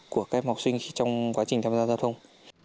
của các em học sinh trong quá trình tham gia giao thông